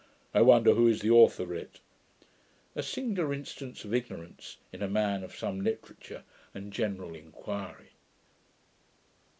I wonder who is the author of it.' A singular instance of ignorance in a man of some literature and general inquiry!